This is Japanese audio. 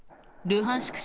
ルハンシク